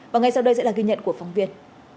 và ngay sau đây sẽ là ghi nhận của phóng viên